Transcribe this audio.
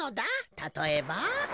たとえば。